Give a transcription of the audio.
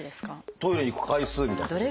トイレに行く回数みたいなことですか？